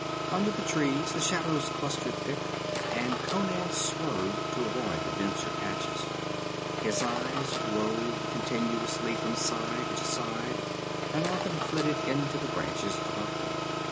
Under the trees the shadows clustered thick, and Conan swerved to avoid the denser patches. His eyes roved continuously from side to side, and often flitted into the branches above them.